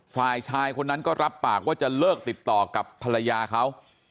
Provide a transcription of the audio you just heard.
ฝ่ายชายคนนั้นก็รับปากว่าจะเลิกติดต่อกับภรรยาเขา